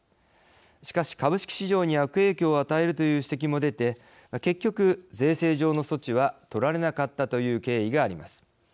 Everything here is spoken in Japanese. しかし株式市場に悪影響を与えるという指摘も出て結局税制上の措置はとられなかったという経緯があります。